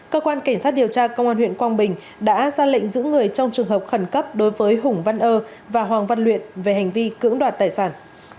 cơ quan cảnh sát điều tra công an huyện quang bình đã ra lệnh giữ người trong trường hợp khẩn cấp đối với hùng văn ơ và hoàng văn luyện về hành vi cưỡng đoạt tài sản